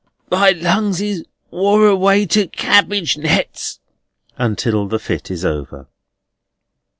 my lungs is wore away to cabbage nets!" until the fit is over.